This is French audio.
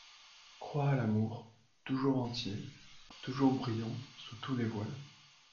Crois à l’amour, toujours entier, Toujours brillant sous tous les voiles!